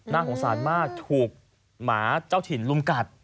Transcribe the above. น่าสงสารมากถูกหมาเจ้าถิ่นลุมกัด